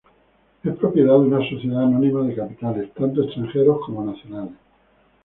Es propiedad de una sociedad anónima de capitales tanto extranjeros como nacionales.